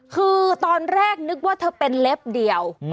คือตอนแรกนึกว่าเธอเป็นเล็บเดียว